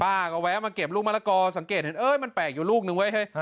ป้าก็แวะมาเก็บลูกมะละกอสังเกตเห็นเอ้ยมันแปลกอยู่ลูกนึงเว้ยเฮ้ย